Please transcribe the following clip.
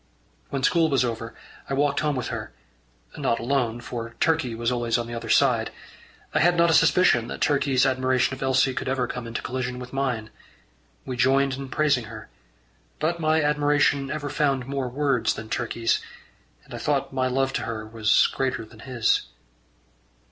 When school was over, I walked home with her not alone, for Turkey was always on the other side. I had not a suspicion that Turkey's admiration of Elsie could ever come into collision with mine. We joined in praising her, but my admiration ever found more words than Turkey's, and I thought my love to her was greater than his.